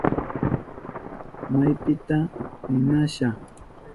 ¿Maypita ninasha?